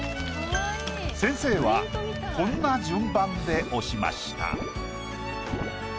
先生はこんな順番で押しました。